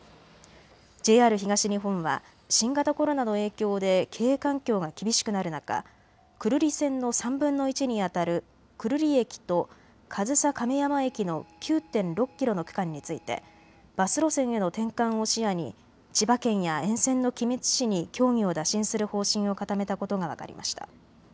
ＪＲ東日本は新型コロナの影響で経営環境が厳しくなる中、久留里線の３分の１にあたる久留里駅と上総亀山駅の９．６キロの区間についてバス路線への転換を視野に千葉県や沿線の君津市に協議を打診する方針を固めたことが分かりました。